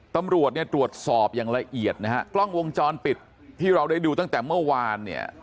ตำรวจเนี่ยตรวจสอบอย่างละเอียดนะฮะกล้องวงจรปิดที่เราได้ดูตั้งแต่เมื่อวานเนี่ย